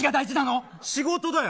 仕事だよ。